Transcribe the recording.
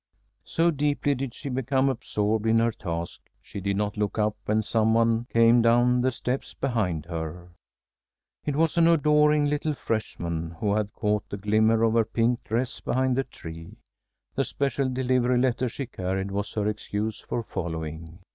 So deeply did she become absorbed in her task, she did not look up when some one came down the steps behind her. It was an adoring little freshman, who had caught the glimmer of her pink dress behind the tree. The special delivery letter she carried was her excuse for following.